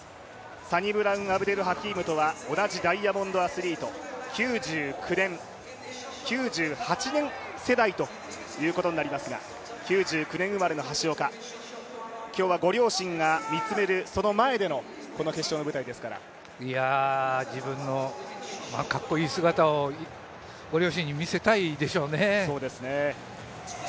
サニブラウン・アブデルハキームでは同じダイヤモンドアスリート９９年、９８年世代ということになりますが、９９年生まれの橋岡。今日はご両親が見つめる、その前でのこの決勝の舞台ですから自分のかっこいい姿をご両親に見せたいでしょうね。